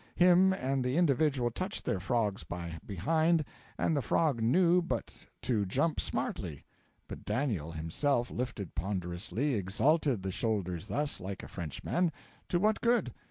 Him and the individual touched their frogs by behind, and the frog new put to jump smartly, but Daniel himself lifted ponderously, exhalted the shoulders thus, like a Frenchman to what good?